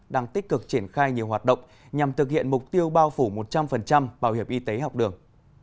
đang tích cực triển khai nhiều hoạt động nhằm thực hiện mục tiêu bao phủ một trăm linh bảo hiểm y tế học đường